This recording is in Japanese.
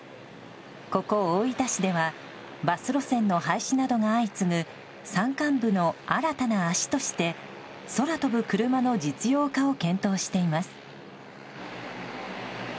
ここ大分市ではバス路線の廃止などが相次ぐ山間部の新たな足として空飛ぶクルマの実用化を検討しています。